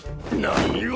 何を！？